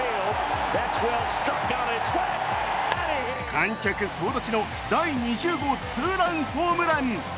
観客総立ちの第２０号ツーランホームラン。